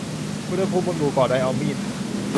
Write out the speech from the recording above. อุณหภูมิบนหมู่เกาะไดออมีด